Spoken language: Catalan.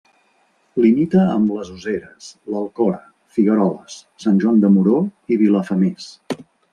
Limita amb les Useres, l'Alcora, Figueroles, Sant Joan de Moró i Vilafamés.